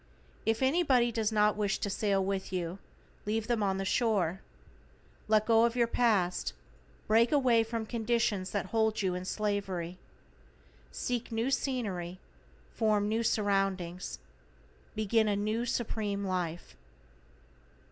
If anybody does not wish to sail with you, leave them on the shore. Let go of your past, break away from conditions that hold you in slavery. Seek new scenery, form new surroundings, begin a new Supreme Life.